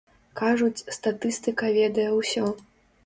Кажуць, статыстыка ведае ўсё.